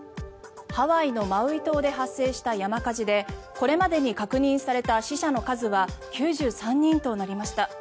ハワイのマウイ島で発生した山火事でこれまでに確認された死者の数は９３人となりました。